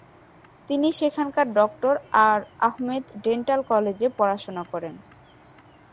তিনি সেখানকার Dr. R Ahmed dental কলেজে পড়াশোনা করেন।